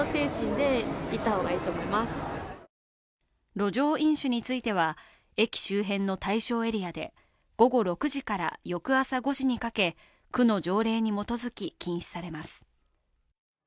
路上飲酒については、駅周辺の対象エリアで午後６時から翌朝５時にかけ、区の条例に基づき禁止されます。